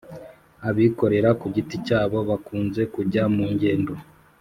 abikorera ku giti cyabo bakunze kujya mu ngendo,